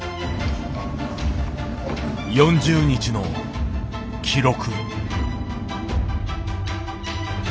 ４０日の記録。